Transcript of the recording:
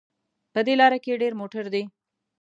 په دې لاره کې ډېر موټر دي